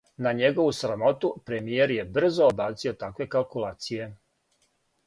На његову срамоту, премијер је брзо одбацио такве калкулације.